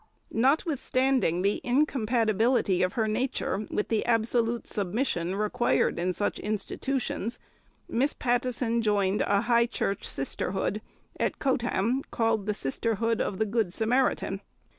Notwithstanding the incompatibility of her nature with the absolute submission required in such institutions, Miss Pattison joined a High Church Sisterhood, at Coatham, called the Sisterhood of the Good Samaritan.